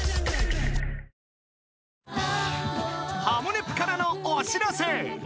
［『ハモネプ』からのお知らせ］